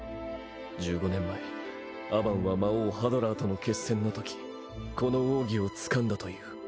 １５年前アバンは魔王ハドラーとの決戦のときこの奥義をつかんだという。